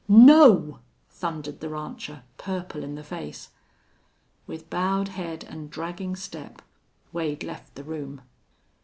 "No!" thundered the rancher, purple in the face. With bowed head and dragging step Wade left the room.